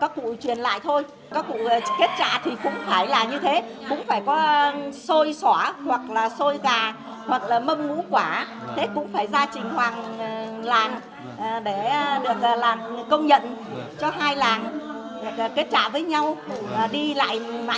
các người gốc cũng có thể tìm ra